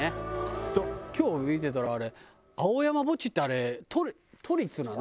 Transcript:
今日見てたらあれ青山墓地ってあれ都立なの？